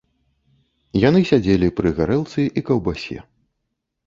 Яны сядзелі пры гарэлцы і каўбасе.